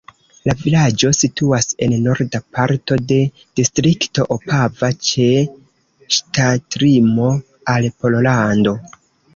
La vilaĝo situas en norda parto de distrikto Opava ĉe ŝtatlimo al Pollando.